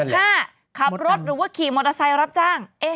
ขับรถหรือว่าขี่มอเตอร์ไซค์รับจ้าง